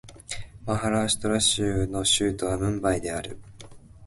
マハーラーシュトラ州の州都はムンバイである